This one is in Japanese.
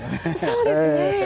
そうですね。